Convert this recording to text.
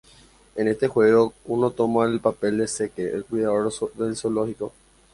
En este juego uno toma el papel de Zeke, el cuidador del zoológico.